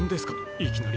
いきなり。